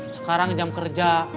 sekarang jam kerja